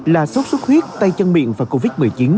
là sốt xuất huyết tay chân miệng và covid một mươi chín